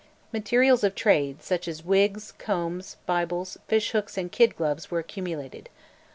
Materials of trade, such as wigs, combs, Bibles, fish hooks, and kid gloves, were accumulated.